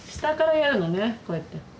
下からやるのねこうやって。